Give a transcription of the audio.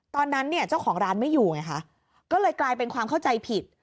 ตอนนั้นเนี่ยเจ้าของร้านไม่อยู่ไงคะก็เลยกลายเป็นความเข้าใจผิด